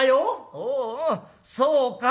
「おうおうそうか」。